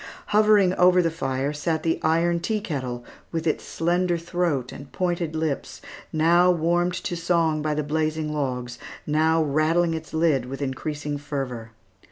Hovering over the fire sat the iron tea kettle, with its slender throat and pointed lips, now warmed to song by the blazing logs, now rattling its lid with increasing fervor.